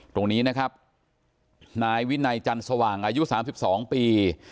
ตรงนี้นะครับนายวินัยจันทร์สว่างอายุ๓๒ปี